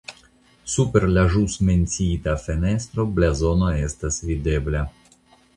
Super la ĵus menciita fenestro blazono estas videbla.